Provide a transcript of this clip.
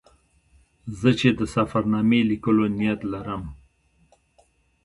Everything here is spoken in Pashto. زه چې د سفر نامې لیکلو نیت لرم.